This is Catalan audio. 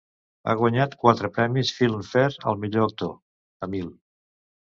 Ha guanyat quatre premis Filmfare al millor actor: Tamil.